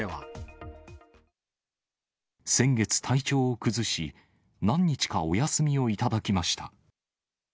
先月体調を崩し、何日かお休みを頂きました。